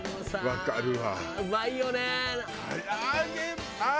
わかるわ。